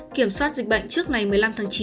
kiểm soát dịch bệnh trước ngày một mươi năm tháng chín